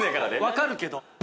◆分かるけど。